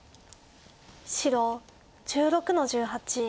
白１６の十八。